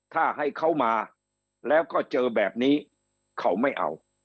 ถ้าให้เขามาแล้วก็เจอแบบนี้เขาไม่เอา